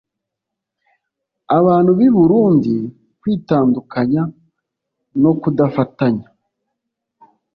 abantu b i burundi kwitandukanya no kudafatanya